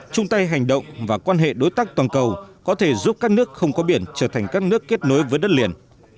chung tay hành động và quan hệ đối tác toàn cầu có thể giúp các nước không có biển trở thành các nước kết nối với đất liền